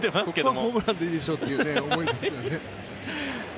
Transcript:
ここはホームランでいいでしょという思いですよね。